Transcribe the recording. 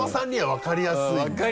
分かりやすい。